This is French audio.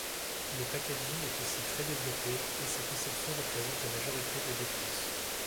Le packaging est aussi très développé, et sa conception représente la majorité des dépenses.